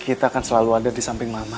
kita kan selalu ada di samping mama